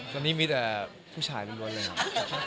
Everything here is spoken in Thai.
ดังนี้มีแต่ผู้ชายอ่อนวนเลยครับ